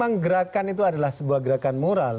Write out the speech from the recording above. menggerakkan itu adalah sebuah gerakan moral